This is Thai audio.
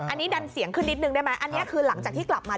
อันนี้ดันเสียงขึ้นนิดนึงได้ไหมอันนี้คือหลังจากที่กลับมา